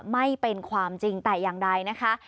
ไม่เป็นความจริงแต่อย่างใดนะคะ